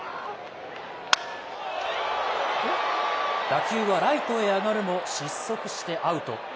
打球はライトへ上がるも失速してアウト。